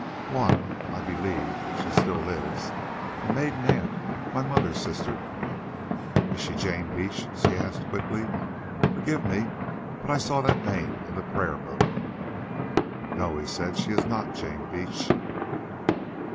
"One, I believe, if she still lives—a maiden aunt, my mother's sister." "Is she Jane Beach?" she asked quickly. "Forgive me, but I saw that name in the prayer book." "No," he said, "she is not Jane Beach."